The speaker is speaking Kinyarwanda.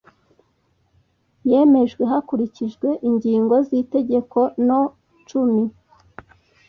yemejwe hakurikijwe ingingo z itegeko no cumi